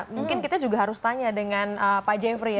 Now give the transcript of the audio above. mungkin kita juga harus tanya dengan pak jeffrey ya